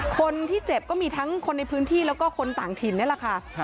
คนที่เจ็บก็มีทั้งคนในพื้นที่แล้วก็คนต่างถิ่นนี่แหละค่ะ